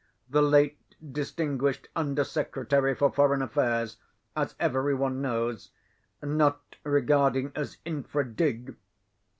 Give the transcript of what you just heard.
The late distinguished under secretary for foreign affairs, as every one knows, not regarding as _infra dig.